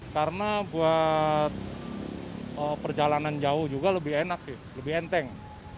karena buat perjalanan jauh juga lebih enak lebih enteng